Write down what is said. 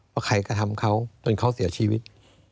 ว่าใครกระทำเขาจนเขาเสียชีวิต